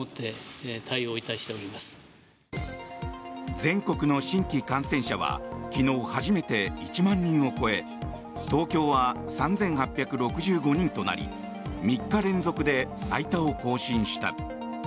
全国の新規感染者は昨日、初めて１万人を超え東京は３８６５人となり３日連続で最多を更新した。